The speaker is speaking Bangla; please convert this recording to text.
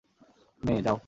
মে, যাও।